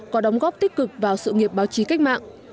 có đóng góp tích cực vào sự nghiệp báo chí cách mạng